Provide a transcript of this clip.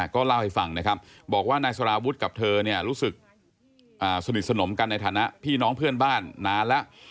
ก็เล่าให้ฟังนะครับบอกว่านายสารวุฒิกับเธอเนี่ยรู้สึกสนิทสนมกันในฐานะพี่น้องเพื่อนบ้านนานแล้ว